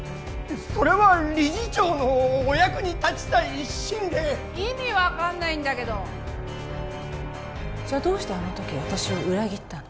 それは理事長のお役に立ちたい一心で意味分かんないんだけどじゃあどうしてあの時私を裏切ったの？